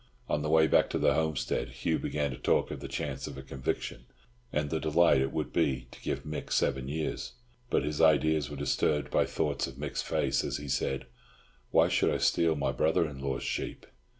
On the way back to the homestead Hugh began to talk of the chance of a conviction, and the delight it would be to give Mick seven years, but his ideas were disturbed by thoughts of Mick's face as he said, "Why should I steal my brother in law's sheep?"